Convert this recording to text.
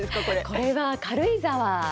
これは軽井沢の。